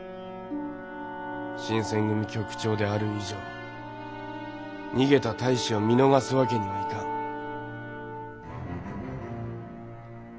新選組局長である以上逃げた隊士を見逃すわけにはいかん。